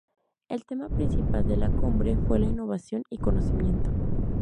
El tema principal de la cumbre fue la Innovación y Conocimiento.